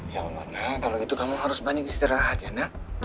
ya allah nan kalau gitu kamu harus banyak istirahat ya nak